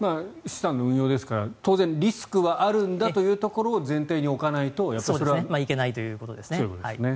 資産の運用ですから、当然リスクはあるんだというところをいけないということです。